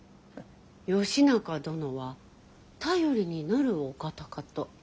義仲殿は頼りになるお方かと。